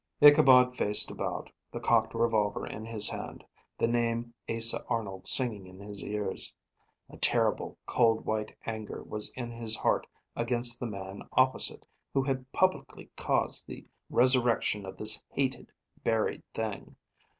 Ichabod faced about, the cocked revolver in his hand, the name Asa Arnold singing in his ears. A terrible cold white anger was in his heart against the man opposite, who had publicly caused the resurrection of this hated, buried thing.